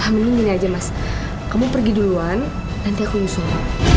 amin gini aja mas kamu pergi duluan nanti aku unsur